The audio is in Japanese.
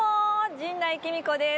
陣内貴美子です。